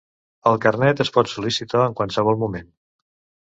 El carnet es pot sol·licitar en qualsevol moment.